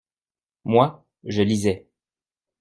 Moi, je lisais.